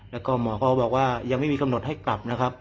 แล้วก็หมอก็บอกว่ายังไม่มีกำหนดให้กลับนะครับ